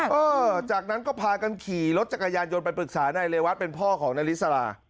เออจากนั้นก็พากันขี่รถจักรยานยนต์ไปปรึกษานายเรวัตเป็นพ่อของนาริสรา